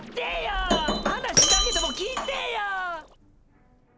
話だけでも聞いてぇや！